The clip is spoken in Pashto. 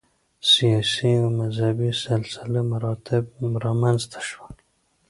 سیاسي او مذهبي سلسله مراتب رامنځته شول.